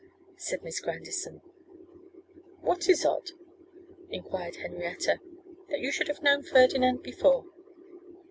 said Miss Grandison. 'What is odd?' enquired Henrietta. 'That you should have known Ferdinand before.